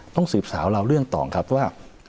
ต้องสืบสาวเราเรื่องต่อครับว่า